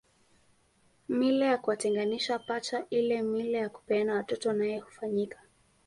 Mila ya kuwatenganisha pacha ile mila ya kupeana watoto nayo hufanyika